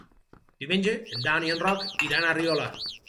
Diumenge en Dan i en Roc iran a Riola.